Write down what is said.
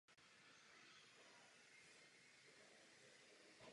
Téhož roku byl pivovar prohlášen za kulturní památku.